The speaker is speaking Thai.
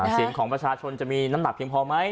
เสียงของประชาชนจะมีน้ำหนักเพียงพอไหม